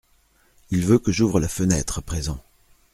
Il veut que j’ouvre la fenêtre, à présent…